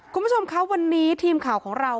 คุณผู้ชมคะวันนี้ทีมข่าวของเรา